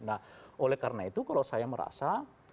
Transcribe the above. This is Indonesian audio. nah oleh karena itu kalau saya merasa